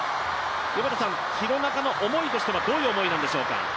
廣中の思いとしてはどういう思いなんでしょうか？